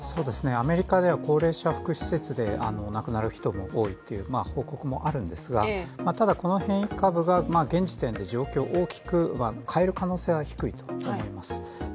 アメリカでは高齢者福祉施設で亡くなる人も多いという報告もあるんですがただこの変異株が現時点で状況を大きく変える可能性は低いと思います。